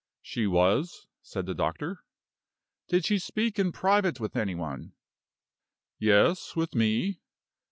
"She was," said the doctor. "Did she speak in private with any one?" "Yes; with me."